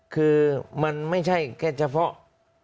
คือมันไม่ใช่แค่เฉพาะ